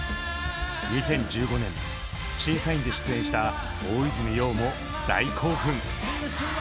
２０１５年審査員で出演した大泉洋も大興奮！